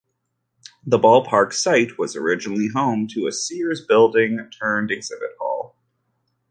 The ballpark site was originally home to a Sears building turned Exhibit Hall.